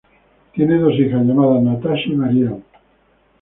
Tiene dos hijas llamadas Natasha y Marielle.